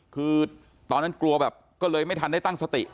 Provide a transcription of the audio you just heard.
คือตอนนั้นกลัวแบบก็เลยไม่ทันได้ตั้งสติ